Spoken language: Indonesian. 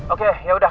oke ya udah